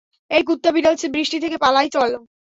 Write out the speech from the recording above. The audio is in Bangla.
এই কুত্তা-বিড়াল বৃষ্টি থেকে পালাই চলো।